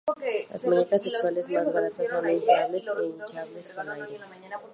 Las muñecas sexuales más baratas son inflables o hinchables con aire.